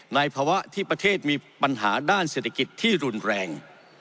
ภาวะที่ประเทศมีปัญหาด้านเศรษฐกิจที่รุนแรง